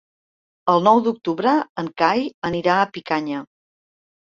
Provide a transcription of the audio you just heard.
El nou d'octubre en Cai anirà a Picanya.